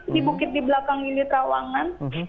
di bukit di belakang gili trawangan